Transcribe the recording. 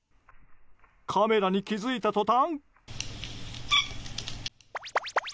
カメラに気づいた途端。